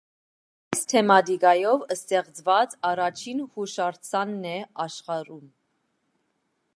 Այս թեմատիկայով ստեղծված առաջին հուշարձանն է աշխարհում։